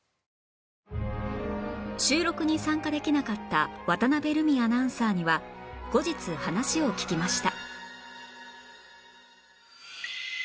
収録に参加できなかった渡辺瑠海アナウンサーには後日話を聞きました